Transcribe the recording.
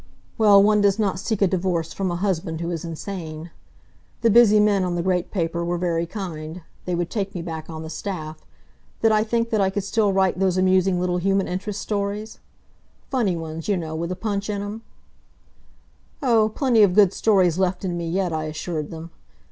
Well, one does not seek a divorce from a husband who is insane. The busy men on the great paper were very kind. They would take me back on the staff. Did I think that I still could write those amusing little human interest stories? Funny ones, you know, with a punch in 'em. Oh, plenty of good stories left in me yet, I assured them.